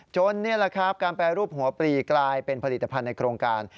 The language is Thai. นี่แหละครับการแปรรูปหัวปลีกลายเป็นผลิตภัณฑ์ในโครงการ